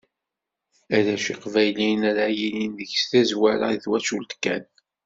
Arrac Iqbayliyen ara yilin deg-s tazwara, d twacult kan.